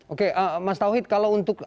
oke mas tauhid kalau untuk